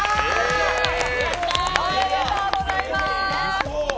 おめでとうございます。